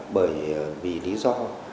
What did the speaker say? bởi vì lý do